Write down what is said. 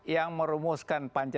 yang merumuskan pancasila